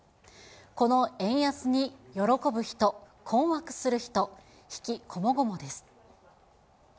この円安に喜ぶ人、困惑する人、悲喜こもごもです。